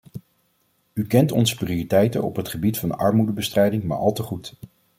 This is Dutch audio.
U kent onze prioriteiten op het gebied van de armoedebestrijding maar al te goed.